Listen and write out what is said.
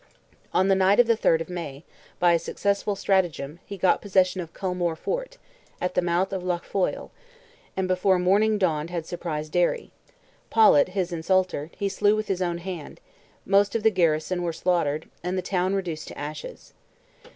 On the night of the 3rd of May, by a successful stratagem, he got possession of Culmore fort, at the month of Lough Foyle, and before morning dawned had surprised Derry; Paulett, his insulter, he slew with his own hand, most of the garrison were slaughtered, and the town reduced to ashes.